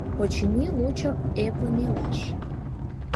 Очыни, лучо эплын илаш.